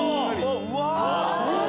うわ！